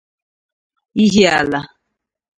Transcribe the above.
Ihiala'.